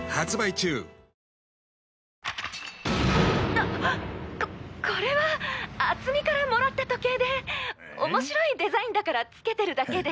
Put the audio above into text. あっここれは敦実からもらった時計で面白いデザインだからつけてるだけで。